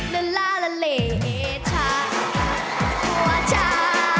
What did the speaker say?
ละละละเลชาว่าชา